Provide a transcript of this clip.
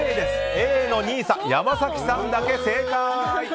ＡのＮＩＳＡ山崎さんだけ正解！